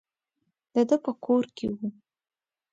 د ده په کور کې وو.